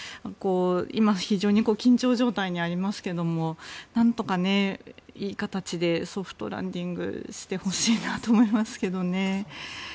今、非常に緊張状態にありますがなんとかいい形でソフトランディングしてほしいなと思いますけどね。